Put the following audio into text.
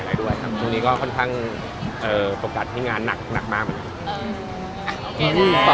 เลยครับตรงนี้ก็ค่อนข้างเออปกติกับงานนักมาก